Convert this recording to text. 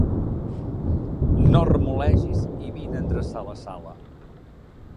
No remolegis i vine a endreçar la sala.